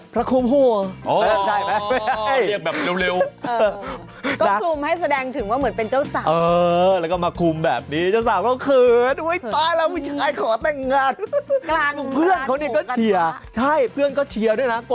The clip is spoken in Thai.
เพื่อนเขาก็เชียร์ด้วยนะ